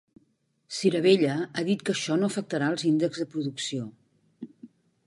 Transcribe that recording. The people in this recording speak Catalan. Sirabella ha dit que això no afectarà els índexs de producció.